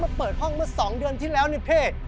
ไม่เอาหน่า